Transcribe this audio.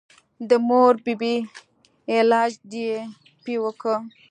د مور بي بي علاج دې پې وکه.